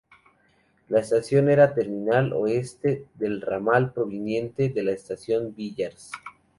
La estación era la terminal oeste del ramal proveniente de la estación Villars.